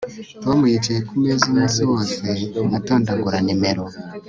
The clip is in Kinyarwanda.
Tom yicaye kumeza umunsi wose atondagura nimero